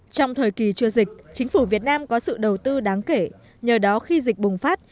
trong thời kỳ chưa dịch chính phủ việt nam có sự đầu tư đáng kể nhờ đó khi dịch bùng phát